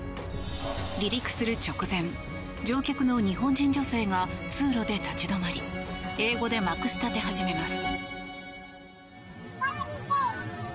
離陸する直前乗客の日本人女性が通路で立ち止まり英語でまくし立て始めます。